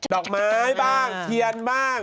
ดอกไม้บ้างเทียนบ้าง